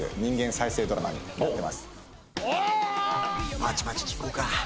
「バチバチにいこうか」